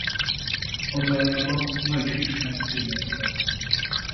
Hazájában ma is ismert színésznő.